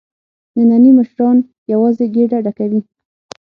نني مشران یوازې ګېډه ډکوي.